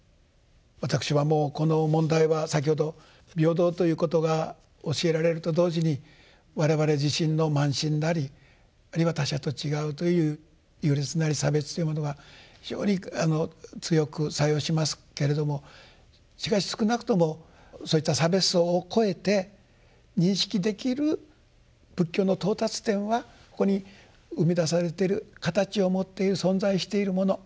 私はもうこの問題は先ほど平等ということが教えられると同時に我々自身の慢心なりあるいは他者と違うという許せない差別というものが非常に強く作用しますけれどもしかし少なくともそういった差別相を超えて認識できる仏教の到達点はここに生み出されてる形を持っている存在しているもの